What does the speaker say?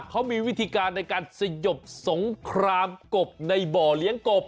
เขามีวิธีการในการสยบสงครามกบในบ่อเลี้ยงกบ